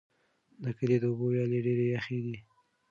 د کلي د اوبو ویاله ډېره یخه ده.